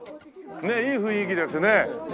ねえいい雰囲気ですね。